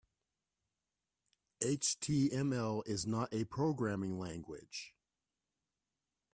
HTML is not a programming language.